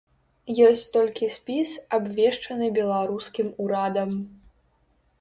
Ёсць толькі спіс, абвешчаны беларускім урадам.